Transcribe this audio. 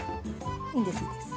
いいですいいです。